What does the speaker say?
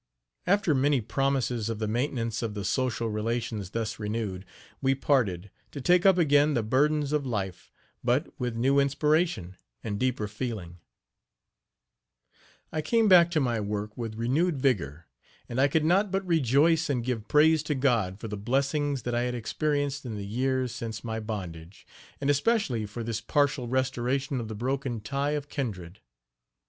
After many promises of the maintenance of the social relations thus renewed, we parted, to take up again the burdens of life, but with new inspiration and deeper feeling. I came back to my work with renewed vigor, and I could not but rejoice and give praise to God for the blessings that I had experienced in the years since my bondage, and especially for this partial restoration of the broken tie of kindred.